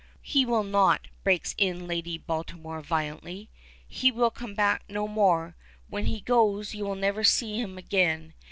"He will not," breaks in Lady Baltimore violently. "He will come back no more. When he goes you will never see him again.